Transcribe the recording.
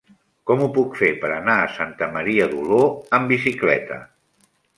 Com ho puc fer per anar a Santa Maria d'Oló amb bicicleta?